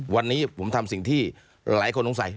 วันนี้ผมทำสิ่งที่หลายคนสงสัย